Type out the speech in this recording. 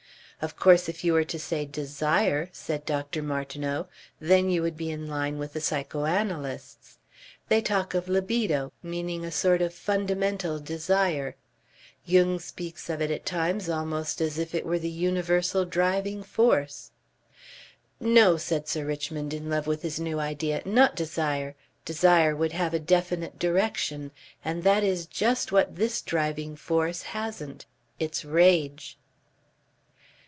"Of course, if you were to say 'desire'," said Dr. Martineau, "then you would be in line with the psychoanalysts. They talk of LIBIDO, meaning a sort of fundamental desire. Jung speaks of it at times almost as if it were the universal driving force." "No," said Sir Richmond, in love with his new idea. "Not desire. Desire would have a definite direction, and that is just what this driving force hasn't. It's rage."